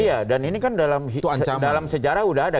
iya dan ini kan dalam sejarah sudah ada